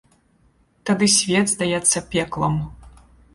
Тады свет здаецца пеклам.